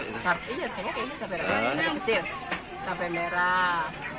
iya ini cabai rawit